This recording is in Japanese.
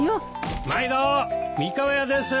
毎度三河屋です。